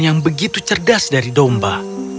yang begitu cerdas dari domba